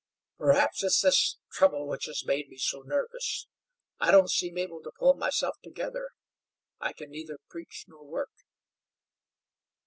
Perhaps it's this trouble which has made me so nervous. I don't seem able to pull myself together. I can neither preach nor work."